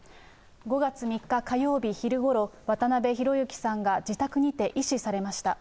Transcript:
５月３日火曜日昼ごろ、渡辺裕之さんが自宅にて縊死されました。